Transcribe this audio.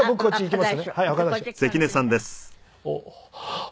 はい。